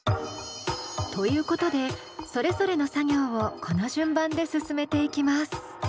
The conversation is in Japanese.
ということでそれぞれの作業をこの順番で進めていきます。